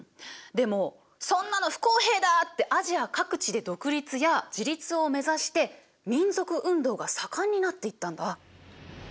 でも「そんなの不公平だ！」ってアジア各地で独立や自立を目指して民族運動が盛んになっていったんだ。